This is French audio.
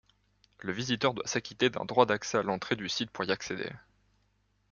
Le visiteur doit s'acquitter d'un droit d'accès à l'entrée du site pour y accéder.